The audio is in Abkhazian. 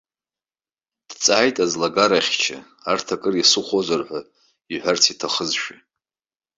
Дҵааит аӡлагарахьча, урҭ акыр исыхәозар ҳәа иҳәарц иҭахызшәа.